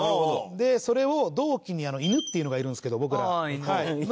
それを同期にいぬっていうのがいるんですけど僕ら。ああいぬね。